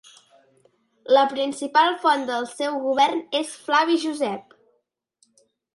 La principal font del seu govern és Flavi Josep.